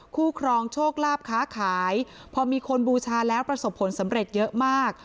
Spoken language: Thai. ครองโชคลาภค้าขายพอมีคนบูชาแล้วประสบผลสำเร็จเยอะมาก